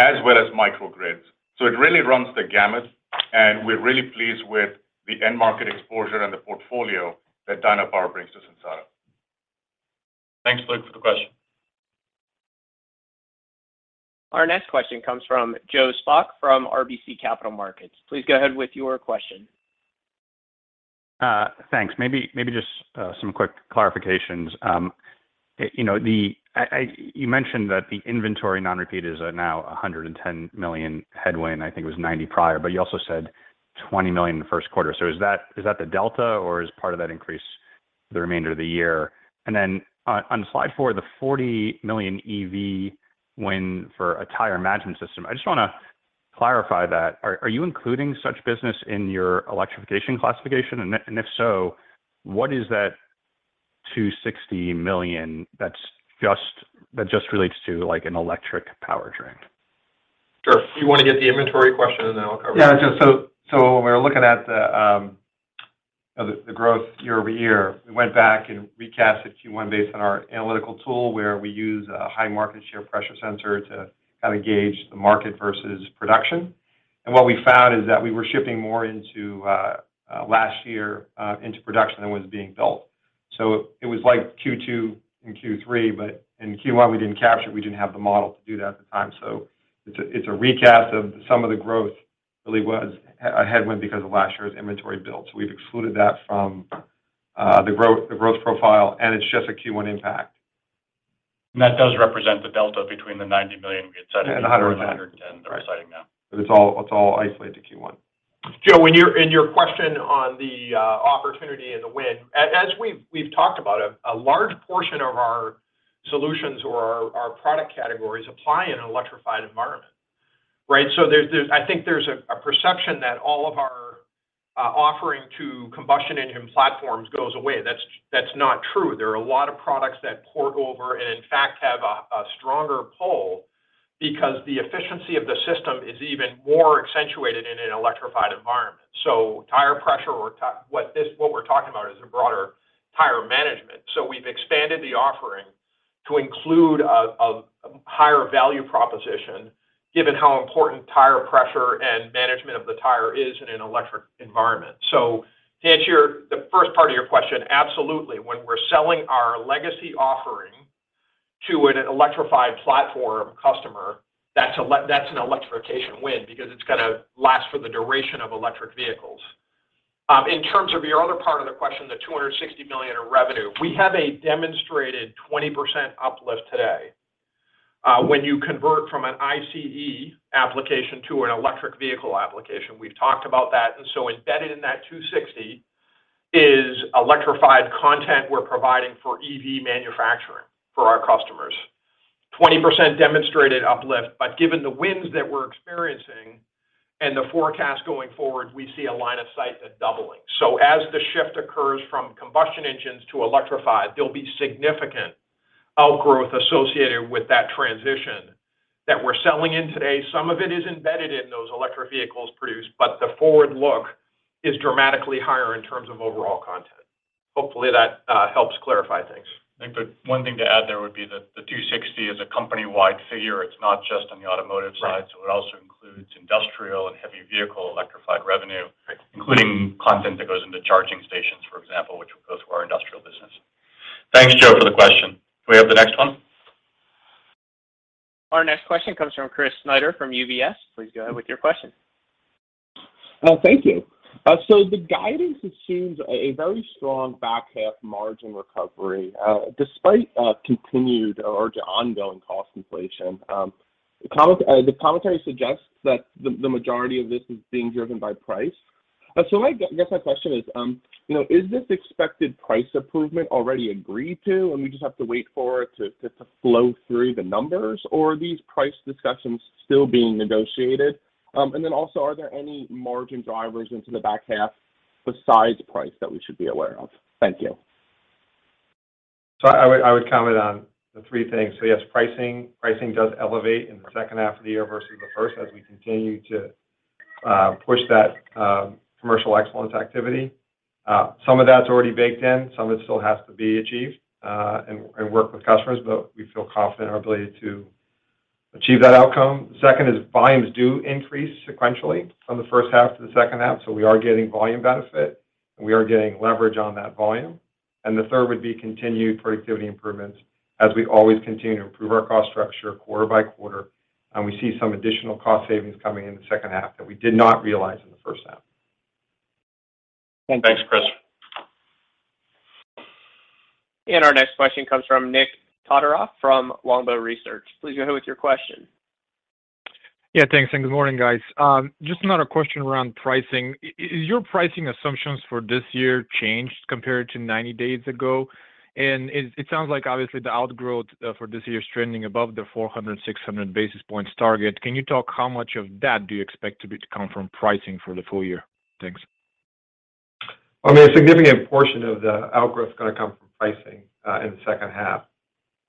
as well as microgrids. It really runs the gamut, and we're really pleased with the end market exposure and the portfolio that Dynapower brings to Sensata. Thanks, Luke, for the question. Our next question comes from Joe Spak from RBC Capital Markets. Please go ahead with your question. Thanks. Maybe just some quick clarifications. You know, you mentioned that the inventory non-repeat is now $110 million headwind. I think it was $90 million prior. You also said $20 million in the first quarter. Is that the delta, or is part of that increase the remainder of the year? Then on slide four, the $40 million EV win for a tire management system, I just wanna clarify that. Are you including such business in your electrification classification? If so, what is that $260 million that just relates to, like, an electric powertrain? Sure. Do you wanna get the inventory question, and then I'll cover it? Yeah, Joe. When we were looking at the growth year-over-year, we went back and recast Q1 based on our analytical tool where we use a high market share pressure sensor to kind of gauge the market versus production. What we found is that we were shipping more into last year into production than was being built. It was like Q2 and Q3, but in Q1 we didn't capture it. We didn't have the model to do that at the time. It's a recast of some of the growth really was a headwind because of last year's inventory build. We've excluded that from the growth profile, and it's just a Q1 impact. That does represent the delta between the $90 million we had cited before. Yeah, 100%. The 110 that we're citing now. It's all isolated to Q1. Joe, in your question on the opportunity and the win, as we've talked about, a large portion of our solutions or our product categories apply in an electrified environment, right? So I think there's a perception that all of our offering to combustion engine platforms goes away. That's not true. There are a lot of products that port over and, in fact, have a stronger pull because the efficiency of the system is even more accentuated in an electrified environment. So tire pressure, what we're talking about is a broader tire management. So we've expanded the offering to include a higher value proposition given how important tire pressure and management of the tire is in an electric environment. So to answer the first part of your question, absolutely. When we're selling our legacy offering to an electrified platform customer, that's an electrification win because it's gonna last for the duration of electric vehicles. In terms of your other part of the question, the $260 million in revenue, we have a demonstrated 20% uplift today, when you convert from an ICE application to an electric vehicle application. We've talked about that. Embedded in that $260 is electrified content we're providing for EV manufacturing for our customers. 20% demonstrated uplift. Given the winds that we're experiencing and the forecast going forward, we see a line of sight, that doubling. As the shift occurs from combustion engines to electrified, there'll be significant outgrowth associated with that transition that we're selling in today. Some of it is embedded in those electric vehicles produced, but the forward look is dramatically higher in terms of overall content. Hopefully that helps clarify things. I think the one thing to add there would be that the 260 is a company-wide figure. It's not just on the automotive side. Right. It also includes industrial and heavy vehicle electrified revenue. Right. Including content that goes into charging stations, for example, which would go through our industrial business. Thanks, Joe, for the question. Can we have the next one? Our next question comes from Chris Snyder from UBS. Please go ahead with your question. Thank you. So the guidance assumes a very strong back half margin recovery, despite continued or ongoing cost inflation. The commentary suggests that the majority of this is being driven by price. So I guess my question is, you know, is this expected price improvement already agreed to, and we just have to wait for it to flow through the numbers? Or are these price discussions still being negotiated? Are there any margin drivers into the back half besides price that we should be aware of? Thank you. I would comment on the three things. Yes, pricing. Pricing does elevate in the second half of the year versus the first as we continue to push that commercial excellence activity. Some of that's already baked in, some of it still has to be achieved, and work with customers. But we feel confident in our ability to achieve that outcome. Second is volumes do increase sequentially from the first half to the second half, so we are getting volume benefit, and we are getting leverage on that volume. The third would be continued productivity improvements as we always continue to improve our cost structure quarter by quarter, and we see some additional cost savings coming in the second half that we did not realize in the first half. Thank you. Thanks, Chris. Our next question comes from Nikolay Todorov from Longbow Research. Please go ahead with your question. Yeah, thanks, good morning, guys. Just another question around pricing. Is your pricing assumptions for this year changed compared to 90 days ago? It sounds like obviously the outgrowth for this year is trending above the 400-600 basis points target. Can you talk how much of that do you expect to come from pricing for the full year? Thanks. I mean, a significant portion of the outgrowth is gonna come from pricing in the second half.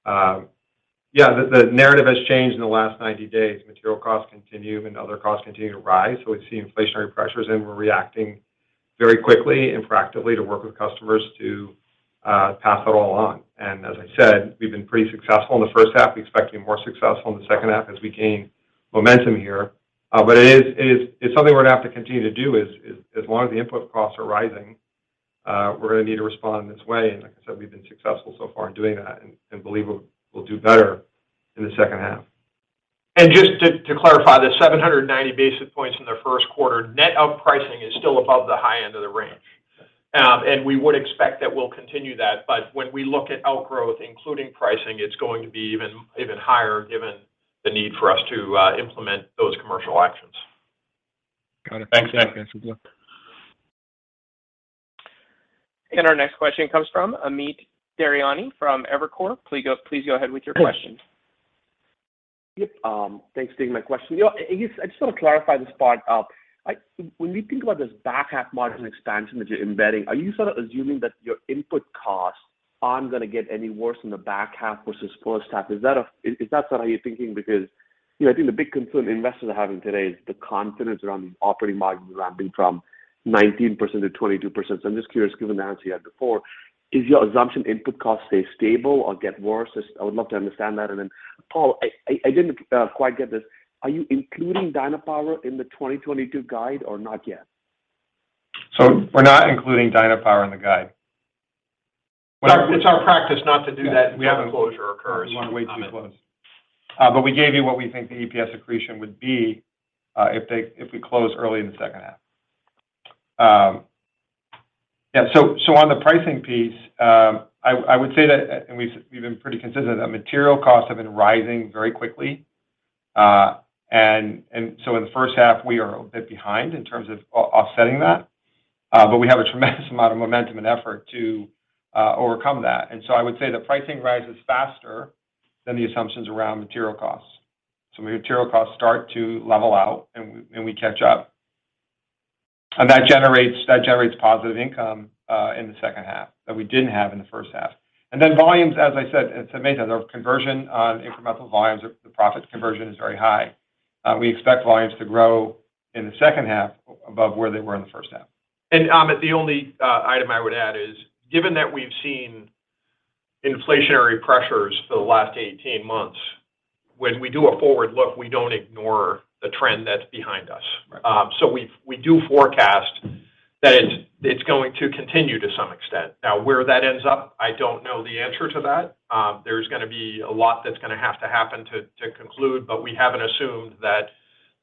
Yeah, the narrative has changed in the last 90 days. Material costs continue and other costs continue to rise, so we see inflationary pressures and we're reacting very quickly and proactively to work with customers to pass that all on. As I said, we've been pretty successful in the first half. We expect to be more successful in the second half as we gain momentum here. It's something we're gonna have to continue to do as long as the input costs are rising. We're gonna need to respond this way. Like I said, we've been successful so far in doing that and believe we'll do better in the second half. Just to clarify, the 790 basis points in the first quarter, net out pricing is still above the high end of the range. We would expect that we'll continue that, but when we look at outgrowth, including pricing, it's going to be even higher given the need for us to implement those commercial actions. Got it. Thanks. Thanks, Nick. Our next question comes from Amit Daryanani from Evercore. Please go ahead with your question. Please. Yep. Thanks for taking my question. You know, I guess I just wanna clarify this part. When we think about this back half margin expansion that you're embedding, are you sort of assuming that your input costs aren't gonna get any worse in the back half versus first half? Is that sort of how you're thinking? Because, you know, I think the big concern investors are having today is the confidence around the operating margins ramping from 19% to 22%. I'm just curious, given the answer you had before, is your assumption input costs stay stable or get worse? I would love to understand that. Paul, I didn't quite get this. Are you including Dynapower in the 2022 guide or not yet? We're not including Dynapower in the guide. It's our practice not to do that until closure occurs. We're way too close. We gave you what we think the EPS accretion would be, if we close early in the second half. Yeah, on the pricing piece, I would say that, and we've been pretty consistent, that material costs have been rising very quickly. In the first half we are a bit behind in terms of offsetting that, but we have a tremendous amount of momentum and effort to overcome that. I would say the pricing rise is faster than the assumptions around material costs. Material costs start to level out and we catch up. That generates positive income in the second half that we didn't have in the first half. Volumes, as I said, as Amit said, the conversion on incremental volumes, the profits conversion is very high. We expect volumes to grow in the second half above where they were in the first half. Amit, the only item I would add is given that we've seen inflationary pressures for the last 18 months. When we do a forward look, we don't ignore the trend that's behind us. Right. We do forecast that it's going to continue to some extent. Now, where that ends up, I don't know the answer to that. There's gonna be a lot that's gonna have to happen to conclude, but we haven't assumed that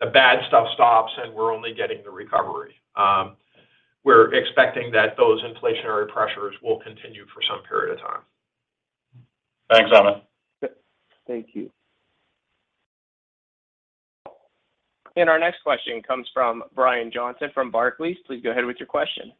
the bad stuff stops, and we're only getting the recovery. We're expecting that those inflationary pressures will continue for some period of time. Thanks, Amit. Yep. Thank you. Our next question comes from Brian Johnston from Barclays. Please go ahead with your question.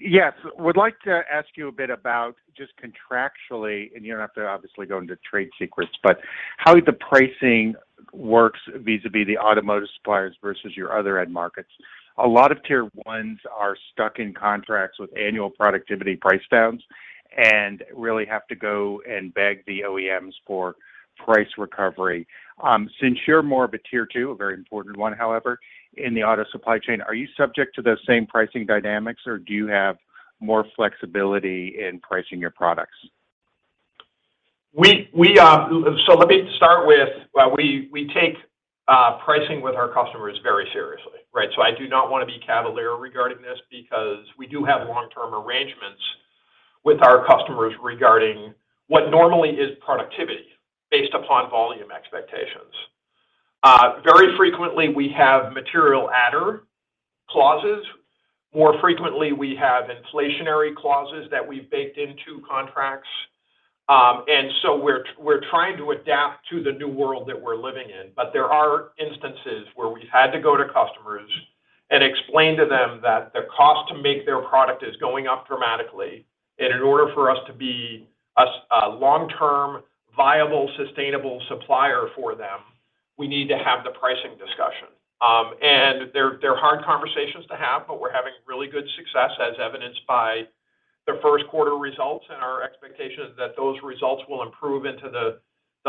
Yes. I would like to ask you a bit about just contractually, and you don't have to obviously go into trade secrets, but how the pricing works vis-à-vis the automotive suppliers versus your other end markets. A lot of tier ones are stuck in contracts with annual productivity price downs and really have to go and beg the OEMs for price recovery. Since you're more of a tier two, a very important one however, in the auto supply chain, are you subject to those same pricing dynamics, or do you have more flexibility in pricing your products? Let me start with we take pricing with our customers very seriously, right? I do not wanna be cavalier regarding this because we do have long-term arrangements with our customers regarding what normally is productivity based upon volume expectations. Very frequently, we have material adder clauses. More frequently, we have inflationary clauses that we've baked into contracts. We're trying to adapt to the new world that we're living in. There are instances where we've had to go to customers and explain to them that the cost to make their product is going up dramatically, and in order for us to be a long-term, viable, sustainable supplier for them, we need to have the pricing discussion. They're hard conversations to have, but we're having really good success as evidenced by the first quarter results and our expectation that those results will improve into the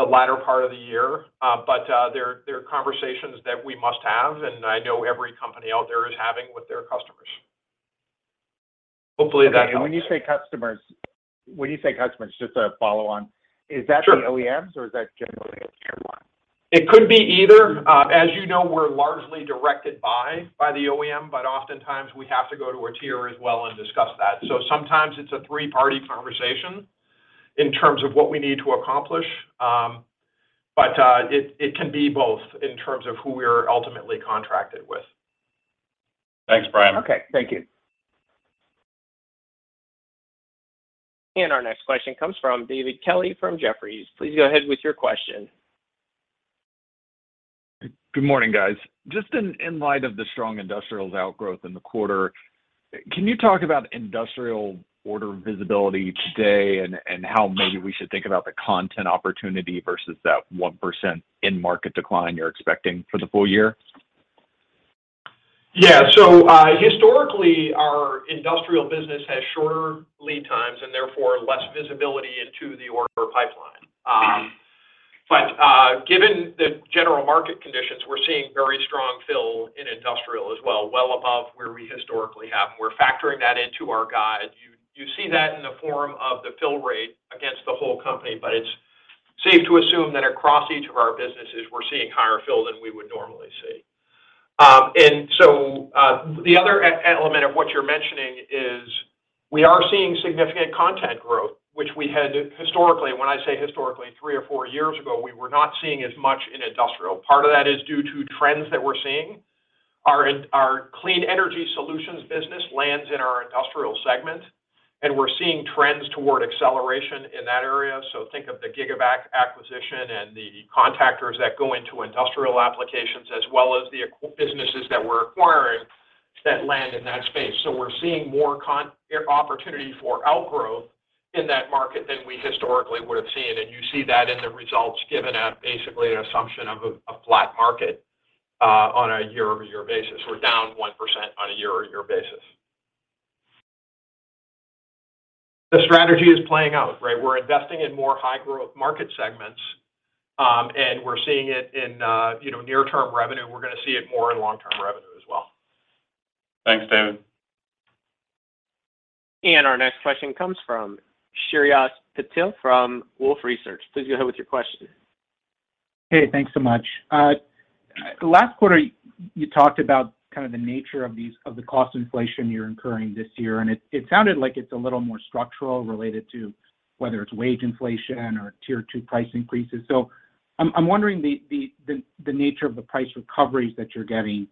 latter part of the year. They're conversations that we must have, and I know every company out there is having with their customers. Hopefully that helps. When you say customers, just to follow on, is that? Sure To the OEMs or is that generally a Tier 1? It could be either. As you know, we're largely directed by the OEM, but oftentimes we have to go to a tier as well and discuss that. Sometimes it's a three-party conversation in terms of what we need to accomplish. It can be both in terms of who we are ultimately contracted with. Thanks, Brian. Okay. Thank you. Our next question comes from David Kelley from Jefferies. Please go ahead with your question. Good morning, guys. Just in light of the strong industrials outgrowth in the quarter, can you talk about industrial order visibility today and how maybe we should think about the content opportunity versus that 1% market decline you're expecting for the full year? Historically, our industrial business has shorter lead times, and therefore less visibility into the order pipeline. Given the general market conditions, we're seeing very strong fill in industrial as well, well above where we historically have. We're factoring that into our guide. You see that in the form of the fill rate against the whole company, but it's safe to assume that across each of our businesses, we're seeing higher fill than we would normally see. The other element of what you're mentioning is we are seeing significant content growth, which we had historically. When I say historically, three or four years ago, we were not seeing as much in industrial. Part of that is due to trends that we're seeing. Our clean energy solutions business lands in our industrial segment, and we're seeing trends toward acceleration in that area. Think of the GIGAVAC acquisition and the contactors that go into industrial applications, as well as the businesses that we're acquiring that land in that space. We're seeing more opportunity for outgrowth in that market than we historically would have seen, and you see that in the results given at basically an assumption of a flat market on a year-over-year basis. We're down 1% on a year-over-year basis. The strategy is playing out, right? We're investing in more high growth market segments, and we're seeing it in you know, near term revenue. We're gonna see it more in long-term revenue as well. Thanks, David. Our next question comes from Shreyas Patil from Wolfe Research. Please go ahead with your question. Hey, thanks so much. Last quarter, you talked about kind of the nature of the cost inflation you're incurring this year, and it sounded like it's a little more structurally related to whether it's wage inflation or tier two price increases. I'm wondering the nature of the price recoveries that you're getting.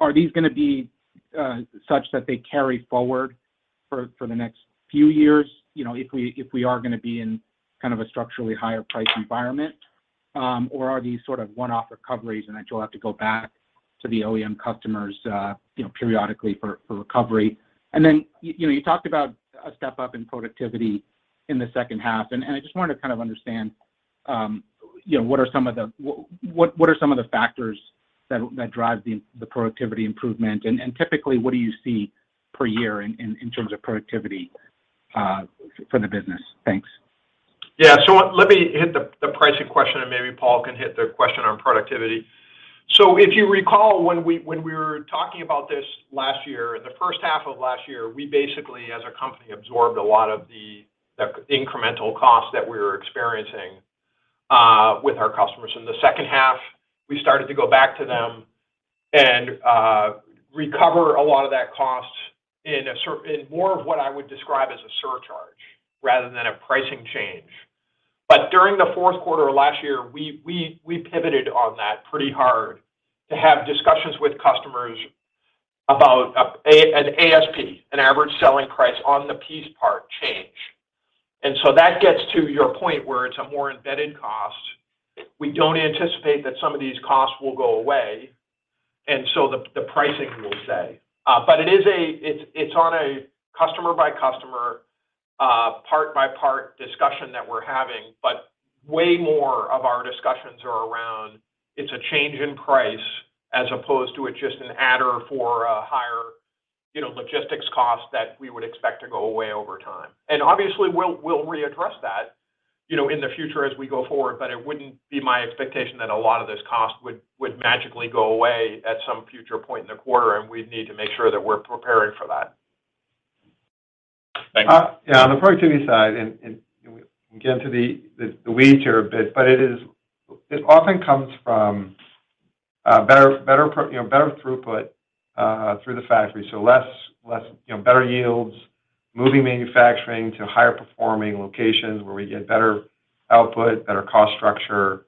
Are these gonna be such that they carry forward for the next few years, you know, if we are gonna be in kind of a structurally higher price environment? Or are these sort of one-off recoveries, and then you'll have to go back to the OEM customers, you know, periodically for recovery? You know, you talked about a step up in productivity in the second half, and I just wanted to kind of understand, you know, what are some of the factors that drive the productivity improvement? Typically, what do you see per year in terms of productivity for the business? Thanks. Yeah. Let me hit the pricing question, and maybe Paul can hit the question on productivity. If you recall, when we were talking about this last year, the first half of last year, we basically as a company absorbed a lot of the incremental costs that we were experiencing with our customers. In the second half, we started to go back to them and recover a lot of that cost in more of what I would describe as a surcharge rather than a pricing change. During the fourth quarter of last year, we pivoted on that pretty hard to have discussions with customers about an ASP, an average selling price on the piece part change. That gets to your point where it's a more embedded cost. We don't anticipate that some of these costs will go away, and so the pricing will stay. But it's on a customer-by-customer, part-by-part discussion that we're having. But way more of our discussions are around it's a change in price as opposed to it's just an adder for a higher, you know, logistics cost that we would expect to go away over time. Obviously, we'll readdress that, you know, in the future as we go forward, but it wouldn't be my expectation that a lot of those costs would magically go away at some future point in the quarter, and we'd need to make sure that we're preparing for that. Thanks. Yeah, on the productivity side, and we get into the weeds here a bit, but it often comes from better throughput through the factory, you know, better yields, moving manufacturing to higher performing locations where we get better output, better cost structure.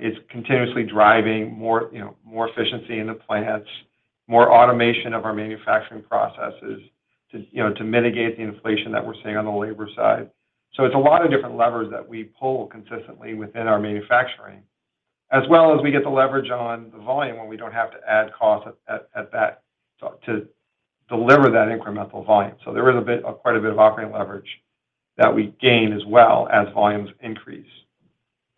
It's continuously driving more, you know, more efficiency in the plants, more automation of our manufacturing processes to, you know, to mitigate the inflation that we're seeing on the labor side. It's a lot of different levers that we pull consistently within our manufacturing, as well as we get the leverage on the volume when we don't have to add cost at that to deliver that incremental volume. There is quite a bit of operating leverage that we gain as volumes increase.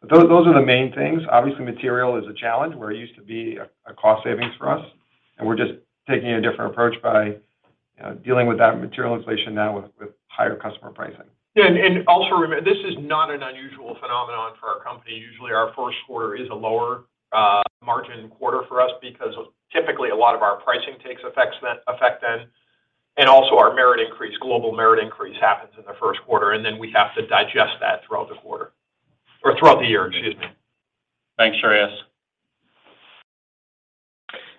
Those are the main things. Obviously, material is a challenge where it used to be a cost savings for us, and we're just taking a different approach by dealing with that material inflation now with higher customer pricing. Yeah. Also remember, this is not an unusual phenomenon for our company. Usually, our first quarter is a lower margin quarter for us because typically a lot of our pricing takes effect then. Also our global merit increase happens in the first quarter, and then we have to digest that throughout the quarter or throughout the year, excuse me.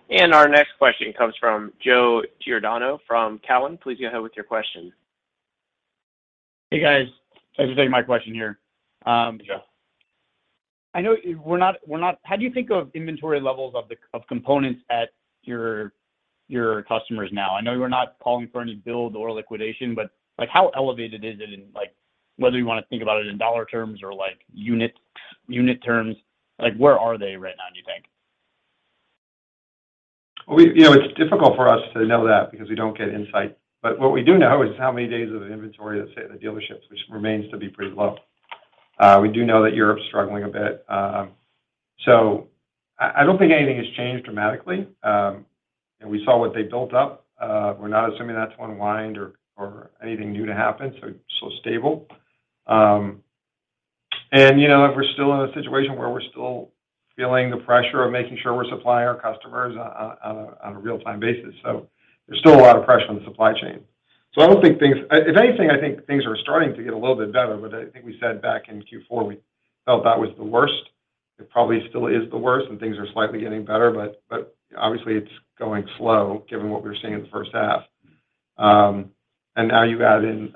Thanks, Shreyas. Our next question comes from Joe Giordano from Cowen. Please go ahead with your question. Hey, guys. Thanks for taking my question here. Hey, Joe. I know we're not. How do you think of inventory levels of components at your customers now? I know you're not calling for any build or liquidation, but, like, how elevated is it in, like, whether you wanna think about it in dollar terms or, like, unit terms? Like, where are they right now, do you think? You know, it's difficult for us to know that because we don't get insight. What we do know is how many days of the inventory that stay at the dealerships, which remains to be pretty low. We do know that Europe's struggling a bit. I don't think anything has changed dramatically. We saw what they built up. We're not assuming that to unwind or anything new to happen, so stable. You know, we're still in a situation where we're still feeling the pressure of making sure we're supplying our customers on a real-time basis. There's still a lot of pressure on the supply chain. I don't think things. If anything, I think things are starting to get a little bit better, but I think we said back in Q4, we felt that was the worst. It probably still is the worst, and things are slightly getting better, but obviously it's going slow given what we were seeing in the first half. Now you add in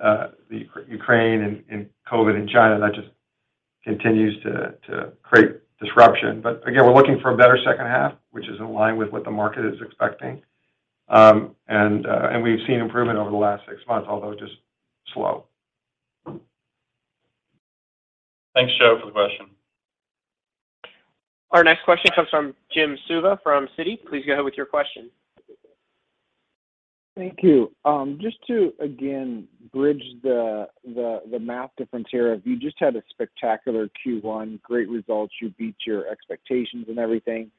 the Ukraine and COVID in China, that just continues to create disruption. Again, we're looking for a better second half, which is in line with what the market is expecting. We've seen improvement over the last six months, although just slow. Thanks, Joe, for the question. Our next question comes from Jim Suva from Citi. Please go ahead with your question. Thank you. Just to again bridge the math difference here. You just had a spectacular Q1, great results. You beat your expectations and everything.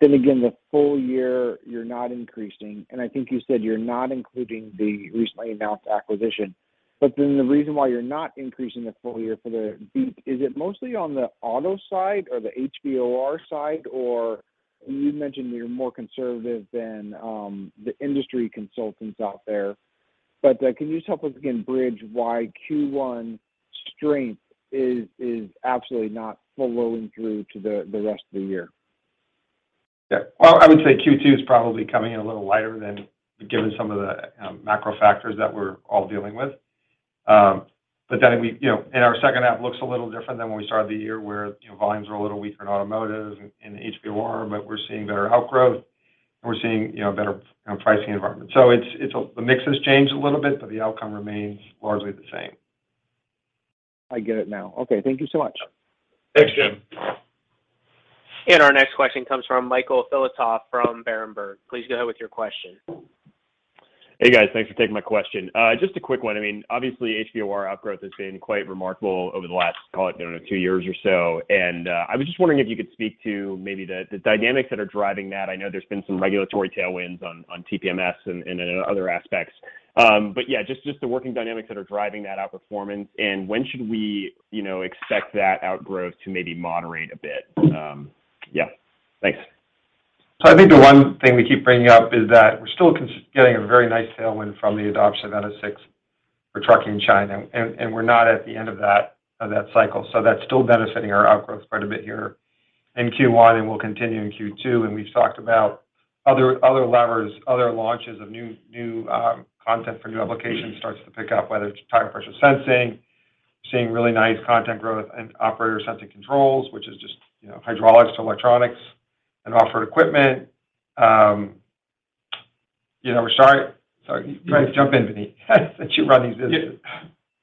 Then again, the full year, you're not increasing. I think you said you're not including the recently announced acquisition. Then the reason why you're not increasing the full year for the beat, is it mostly on the auto side or the HVOR side? You mentioned you're more conservative than the industry consultants out there. Can you just help us again bridge why Q1 strength is absolutely not flowing through to the rest of the year? Yeah. Well, I would say Q2 is probably coming in a little lighter than given some of the macro factors that we're all dealing with. But then, you know, our second half looks a little different than when we started the year where, you know, volumes were a little weaker in automotive and in HVOR, but we're seeing better outgrowth, and we're seeing, you know, better pricing environment. So it's a mix that has changed a little bit, but the outcome remains largely the same. I get it now. Okay. Thank you so much. Thanks, Jim. Our next question comes from Michael Filatov from Berenberg. Please go ahead with your question. Hey, guys. Thanks for taking my question. Just a quick one. I mean, obviously, HVOR outgrowth has been quite remarkable over the last, call it, I don't know, two years or so. I was just wondering if you could speak to maybe the dynamics that are driving that. I know there's been some regulatory tailwinds on TPMS and other aspects. Yeah, just the working dynamics that are driving that outperformance, and when should we, you know, expect that outgrowth to maybe moderate a bit? Yeah. Thanks. I think the one thing we keep bringing up is that we're still getting a very nice tailwind from the adoption of China VI for trucking in China. We're not at the end of that cycle. That's still benefiting our outgrowths quite a bit here in Q1 and will continue in Q2. We've talked about other levers, other launches of new content for new applications starts to pick up, whether it's tire pressure sensing. We're seeing really nice content growth and operator sensing controls, which is just, you know, hydraulics to electronics and off-road equipment. You know, we're start. Sorry. You might have to jump in, Vineet, since you run these businesses.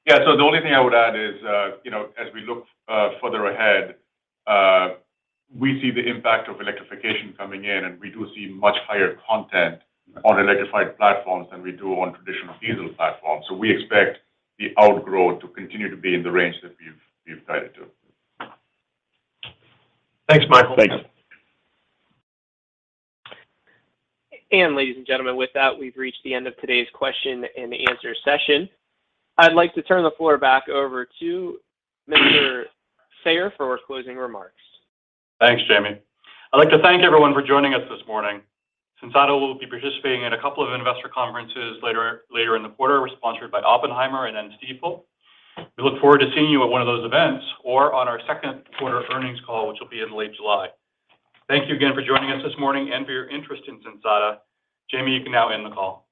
Yeah. The only thing I would add is, you know, as we look further ahead, we see the impact of electrification coming in, and we do see much higher content on electrified platforms than we do on traditional diesel platforms. We expect the outgrowth to continue to be in the range that we've guided to. Thanks, Michael. Thanks. Ladies and gentlemen, with that, we've reached the end of today's Q&A session. I'd like to turn the floor back over to Mr. Sayer for closing remarks. Thanks, Jamie. I'd like to thank everyone for joining us this morning. Sensata will be participating in a couple of investor conferences later in the quarter. We're sponsored by Oppenheimer and Stifel. We look forward to seeing you at one of those events or on our second quarter earnings call, which will be in late July. Thank you again for joining us this morning and for your interest in Sensata. Jamie, you can now end the call.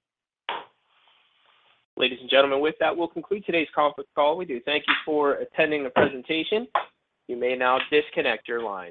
Ladies and gentlemen, with that, we'll conclude today's conference call. We do thank you for attending the presentation. You may now disconnect your lines.